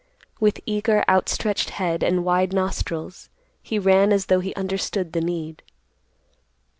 With eager, outstretched head, and wide nostrils, he ran as though he understood the need.